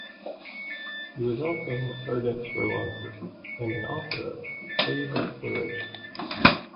He was also an ardent spelunker and the author of "Cave Exploration".